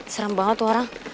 seram banget tuh orang